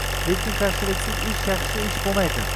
Lekin qarshiliksiz ish yaxshi ish bo‘lmaydi.